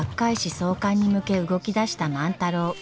創刊に向け動き出した万太郎。